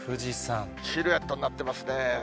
シルエットになってますね。